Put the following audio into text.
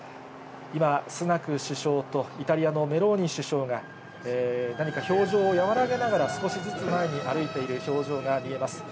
今、スナク首相とイタリアのメローニ首相が、何か表情を和らげながら、少しずつ前に歩いている表情が見えます。